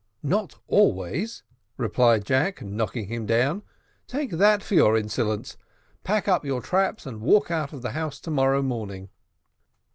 "Not always," replied Jack knocking him down. "Take that for your insolence, pack up your traps, and walk out of the house to morrow morning."